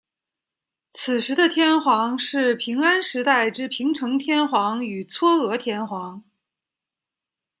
此时的天皇是平安时代之平城天皇与嵯峨天皇。